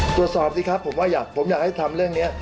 ตรวจสอบสิครับผมว่าผมอยากให้ทำเรื่องนี้